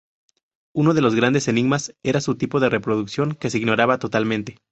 Uno de los grandes enigmas era su tipo de reproducción que se ignoraba totalmente.